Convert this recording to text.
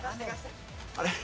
あれ？